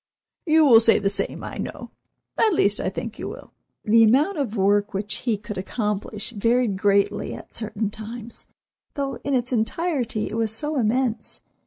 You will say the same, I know—at least I think you will." The amount of work which he could accomplish varied greatly at certain times, though in its entirety it was so immense.